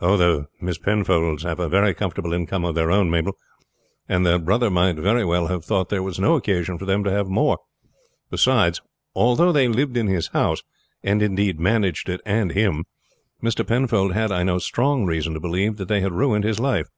"The Miss Penfolds have a very comfortable income of their own, Mabel, and their brother might very well have thought there was no occasion for them to have more; beside, although they lived in his house, and indeed managed it and him, Mr. Penfold had, I know, strong reason to believe that they had ruined his life.